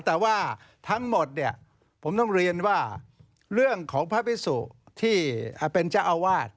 แต่ว่าทั้งหมดเนี่ยผมต้องเรียนว่าเรื่องของพระพิสุที่เป็นเจ้าอาวาส